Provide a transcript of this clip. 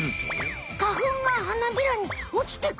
花ふんが花びらに落ちてく。